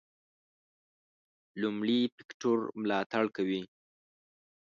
لومړي فکټور ملاتړ کوي.